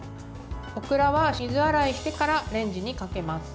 オクラは水洗いしてからレンジにかけます。